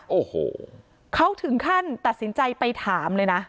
โอ้โหเขาถึงขั้นตัดสินใจไปถามเลยนะ